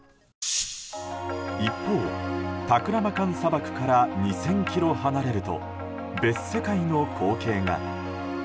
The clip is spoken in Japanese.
一方、タクラマカン砂漠から２０００ｋｍ離れると別世界の光景が。